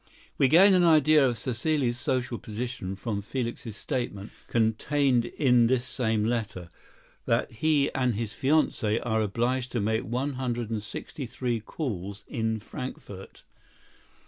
We gain an idea of Cécile's social position from Felix's statement, contained in this same letter, that he and his fiancée are obliged to make one hundred and sixty three calls in Frankfort.